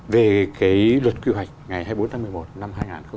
về cái luật quy hoạch ngày hai mươi bốn tháng một mươi một năm hai nghìn một mươi ba